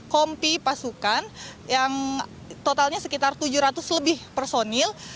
tiga puluh lima kompi pasukan yang totalnya sekitar tujuh ratus lebih personil